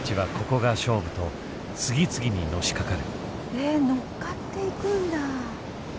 え乗っかっていくんだ。